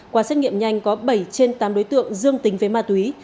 qua xét nghiệm nhanh có bảy trên tám đối tượng dương tính với ma túy